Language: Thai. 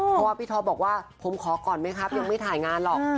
เพราะว่าพี่ท็อปบอกว่าผมขอก่อนไหมครับยังไม่ถ่ายงานหรอก